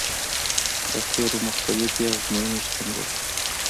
د قیرو مختلفې ازموینې شتون لري